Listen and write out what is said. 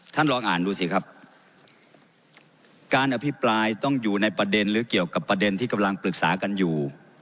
ท่านลองอ่านดูสิครับการอภิปรายต้องอยู่ในประเด็นหรือเกี่ยวกับประเด็นที่กำลังปรึกษากันอยู่